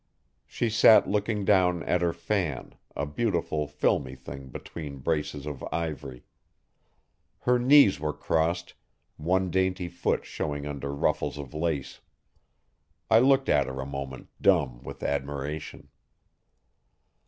She sat looking down at her fan, a beautiful, filmy thing between braces of ivory. Her knees were crossed, one dainty foot showing under ruffles of lace. I looked at her a moment dumb with admiration.